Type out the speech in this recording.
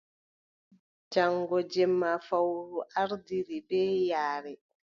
Jaŋgo jemma fowru ardiri bee yaare.